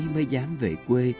mới dám về quê